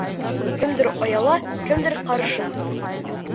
Кемдер ояла, кемдер ҡарыша.